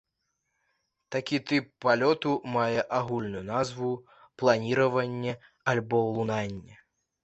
Такі тып палёту мае агульную назву планіраванне або лунанне.